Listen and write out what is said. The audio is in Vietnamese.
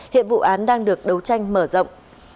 hiện vụ án đang được đấu tranh mở rộng